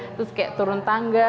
terus kayak turun tangga